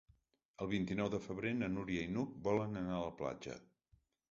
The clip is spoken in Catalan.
El vint-i-nou de febrer na Núria i n'Hug volen anar a la platja.